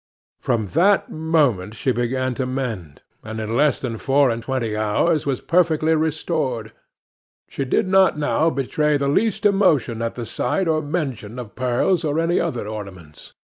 From that moment she began to mend, and, in less than four and twenty hours was perfectly restored. She did not now betray the least emotion at the sight or mention of pearls or any other ornaments.